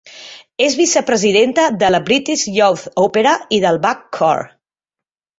És vicepresidenta de la British Youth Opera i del Bach Choir.